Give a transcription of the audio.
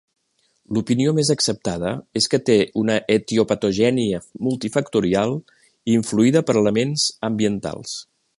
L'opinió més acceptada és que té una etiopatogènia multifactorial influïda per elements ambientals.